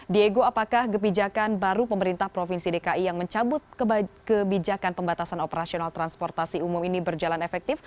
diego apakah kebijakan baru pemerintah provinsi dki yang mencabut kebijakan pembatasan operasional transportasi umum ini berjalan efektif